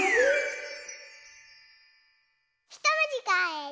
ひともじかえて。